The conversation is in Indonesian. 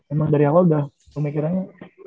emang dari awal udah pemikirannya